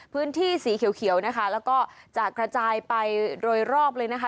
พื้นที่สีเขียวนะคะแล้วก็จะกระจายไปโดยรอบเลยนะคะ